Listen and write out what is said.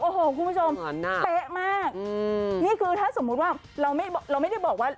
โอ้โหคุณผู้ชมเป๊ะมากนี่คือถ้าสมมุติว่าเราไม่เราไม่ได้บอกว่า